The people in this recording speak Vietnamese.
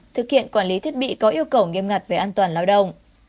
thực hiện quản lý thiết bị có yêu cầu nghiêm ngặt về an toàn lao động